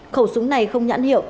khẩu súng này không nhãn hiệu